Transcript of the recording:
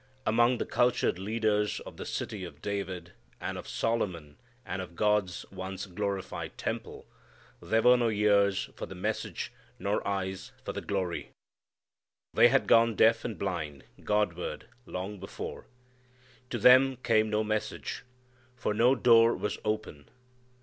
Among the cultured leaders of the city of David, and of Solomon, and of God's once glorified temple, there were no ears for the message, nor eyes for the glory. They had gone deaf and blind Godward long before. To them came no message, for no door was open.